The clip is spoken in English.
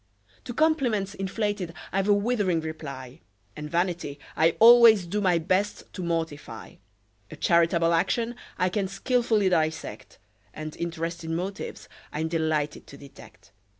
To compliments inflated I've a withering reply; And vanity I always do my best to mortify; A charitable action I can skilfully dissect: And interested motives I'm delighted to detect.